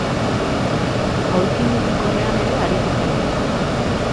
Aulki mugikorrean ere aritu izan dira.